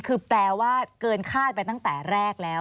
คือแปลว่าเกินคาดไปตั้งแต่แรกแล้ว